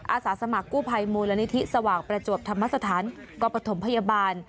อาสาสมัครกู้ภัยมูลนิธิสว่างประจวบธรรมสถานก็ประถมพยาบาล